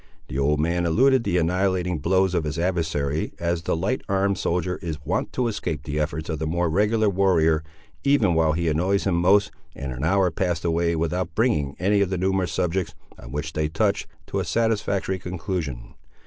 The old man eluded the annihilating blows of his adversary, as the light armed soldier is wont to escape the efforts of the more regular warrior, even while he annoys him most, and an hour passed away without bringing any of the numerous subjects, on which they touched, to a satisfactory conclusion.